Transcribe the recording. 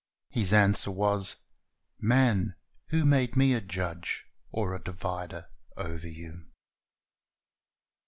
His answer was, "Man, who made Me a judge or a divider over you?"